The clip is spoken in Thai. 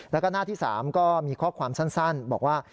แล้วก็หน้าที่๓ก็มีข้อความสั้นบอกว่า